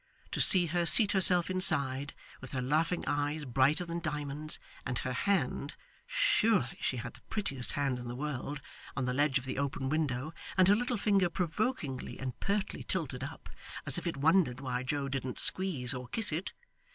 To see her seat herself inside, with her laughing eyes brighter than diamonds, and her hand surely she had the prettiest hand in the world on the ledge of the open window, and her little finger provokingly and pertly tilted up, as if it wondered why Joe didn't squeeze or kiss it!